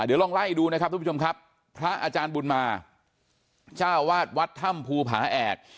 เดี๋ยวลองไล่ดูนะครับทุกผู้ชมครับพระอาจารย์บุญมาเจ้าวาดวัดถ้ำภูผาแอก